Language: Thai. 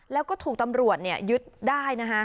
แล้วก็ถูกตำรวจยึดได้นะคะ